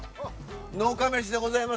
「農家メシ！」でございます。